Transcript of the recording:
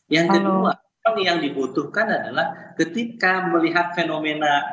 yang kedua yang dibutuhkan adalah ketika melihat fenomena